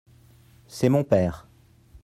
C'est mon père.